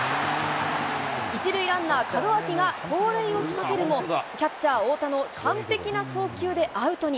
１塁ランナー、門脇が盗塁を仕掛けるも、キャッチャー、太田の完璧な送球でアウトに。